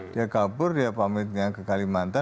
dia kabur dia pamitnya ke kalimantan